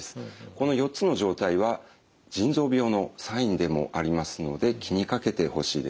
この４つの状態は腎臓病のサインでもありますので気にかけてほしいです。